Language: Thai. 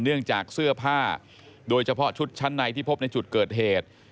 เนื่องจากเสื้อผ้าโดยเฉพาะชุดชั้นในที่พบในจุดเกิดเหตุ